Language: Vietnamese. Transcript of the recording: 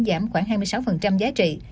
giảm khoảng hai mươi sáu giá trị